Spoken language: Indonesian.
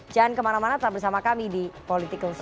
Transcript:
jangan kemana mana tetap bersama kami di politikalshow